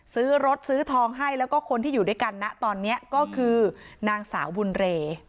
ซื้อรถซื้อทองให้แล้วก็คนที่อยู่ด้วยกันนะตอนนี้ก็คือนางสาวบุญเร